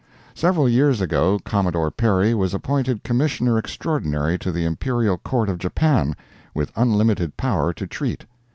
Several years ago Commodore Perry was appointed Commissioner Extraordinary to the Imperial Court of Japan, with unlimited power to treat.